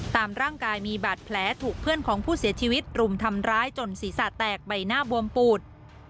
ตามร่างกายมีบาดแผลถูกเพื่อนของผู้เสียชีวิตรุมทำร้ายจนศีรษะแตกใบหน้าบวมปูด